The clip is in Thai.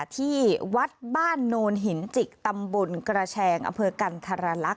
ที่วัดบ้านโนนหินจิกตำบลกระแชงอำเภอกันธรรลักษ